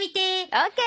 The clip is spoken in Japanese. ＯＫ！